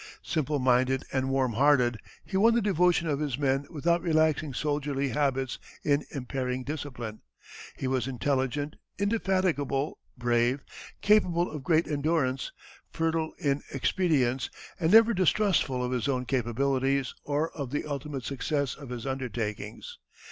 Simple minded and warm hearted, he won the devotion of his men without relaxing soldierly habits or impairing discipline. He was intelligent, indefatigable, brave, capable of great endurance, fertile in expedients and never distrustful of his own capabilities or of the ultimate success of his undertakings.